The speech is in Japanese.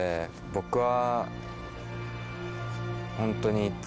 僕は。